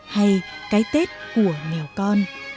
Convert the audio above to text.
hay cái tết của mèo con